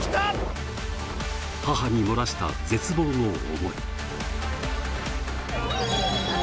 母に漏らした絶望の思い。